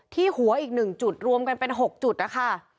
ที่หัวอีก๑จุดรวมกันเป็น๖จุดนะคะ